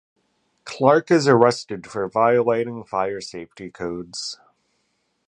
Clark is arrested for violating fire safety codes.